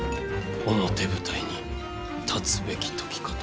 表舞台に立つべき時かと。